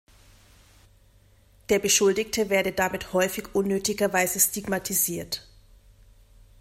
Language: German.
Der Beschuldigte werde damit häufig unnötigerweise stigmatisiert.